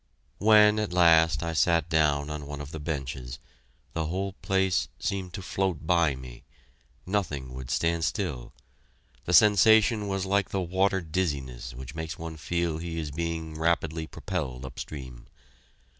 When, at last, I sat down on one of the benches, the whole place seemed to float by me. Nothing would stand still. The sensation was like the water dizziness which makes one feel he is being rapidly propelled upstream.